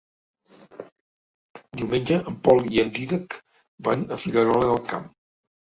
Diumenge en Pol i en Dídac van a Figuerola del Camp.